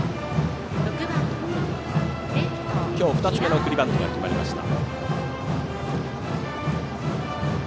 今日、２つ目の送りバントが決まりました。